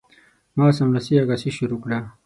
ما سملاسي عکاسي شروع کړه.